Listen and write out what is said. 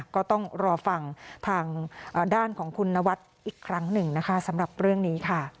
ก็ต้องรอฟังทางด้านของคุณนวัดอีกครั้งหนึ่งนะคะสำหรับเรื่องนี้ค่ะ